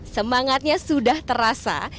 semangatnya sudah terasa